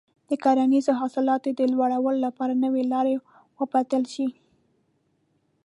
د کرنیزو حاصلاتو د لوړوالي لپاره نوې لارې وپلټل شي.